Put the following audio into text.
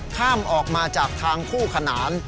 ออกมาจากทางคู่ขนาน